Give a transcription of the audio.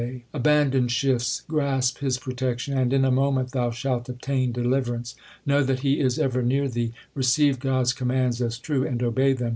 HYMNS OF GURU ARJAN 133 Abandon shifts ; grasp His protection, And in a moment thou shalt obtain deliverance. Know that He is ever near thee. Receive God s commands as true and obey them.